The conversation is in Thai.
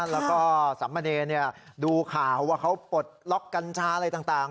แล้วก็สามเณรดูข่าวว่าเขาปลดล็อกกัญชาอะไรต่าง